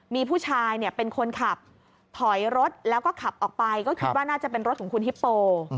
มีผู้ชายเป็นคนขับถอยรถแล้วก็ขับออกไปก็คิดว่าน่าจะเป็นรถของคุณฮิปโป